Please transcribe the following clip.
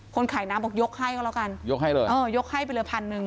คนขายน้ำบอกยกให้ก็แล้วกันยกให้เลยเออยกให้ไปเลยพันหนึ่ง